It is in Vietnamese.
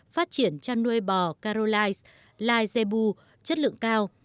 phát triển chăn nuôi bò karolais lai zebu chất lượng cao